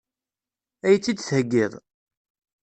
Ad iyi-tt-id-theggiḍ?